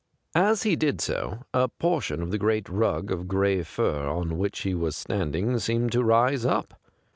As he did so, a portion of the great rug of gray fur on which he was standing seemed to rise up.